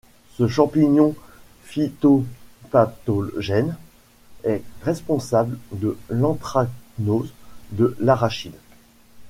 Ce champignon phytopathogène est responsable de l'anthracnose de l'arachide.